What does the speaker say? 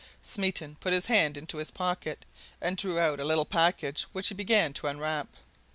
Smeaton put his hand into his pocket, and drew out a little package which he began to unwrap.